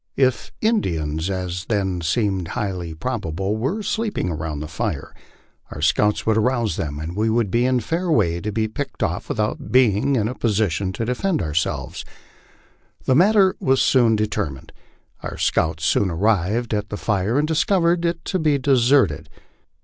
If Indians, as then seemed highly probable, were sleeping around the fire, our scouts would arouse them and we would be in fair way to be picked off without being in a position to defend ourselves. The matter was soon determined. Our scouts soon arrived at the fire, and discovered it to be deserted.